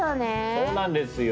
そうなんですよ。